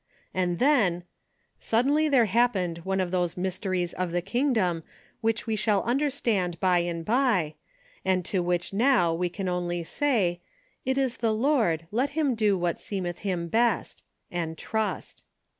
And then, — suddenly there happened one of those mysteries of the kingdom which we shall understand by and by, and to which now we can only say '' It is the Lord, let him do what seemeth him best," and trust.